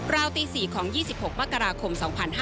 วตี๔ของ๒๖มกราคม๒๕๕๙